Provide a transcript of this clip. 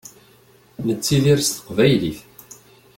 Nettidir s teqbaylit.